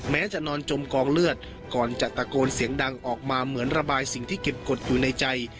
จะนอนจมกองเลือดก่อนจะตะโกนเสียงดังออกมาเหมือนระบายสิ่งที่เก็บกฎอยู่ในใจ